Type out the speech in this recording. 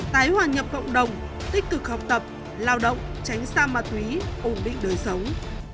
tái hòa nhập cộng đồng tích cực học tập lao động tránh xa ma túy ổn định đời sống